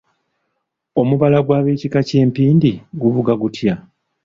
Omubala gw’abeekika ky’empindi guvuga gutya?